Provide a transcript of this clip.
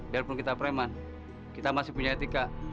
biarpun kita preman kita masih punya etika